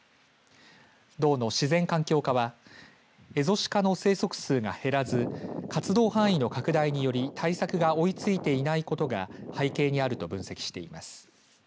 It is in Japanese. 道の自然環境課はエゾシカの生息数が減らず活動範囲の拡大により対策が追いついていないことが背景にあると分析しています。